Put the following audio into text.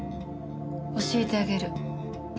教えてあげる。